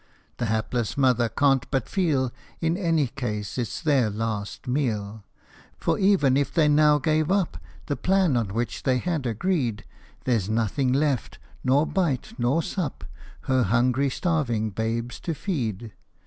The hapless mother can't but feel In any case it 's their last meal ; For even if they now gave up The plan on which they had agreed, There 's nothing left, nor bite nor sup, Her hungry, starving babes to feed.